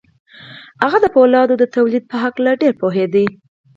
هغه د پولادو د تولید په هکله ډېر پوهېده